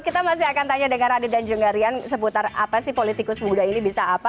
kita masih akan tanya dengan radi dan jengarian seputar apa sih politikus muda ini bisa apa